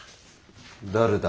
誰だ？